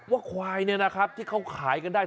ควายเนี่ยนะครับที่เขาขายกันได้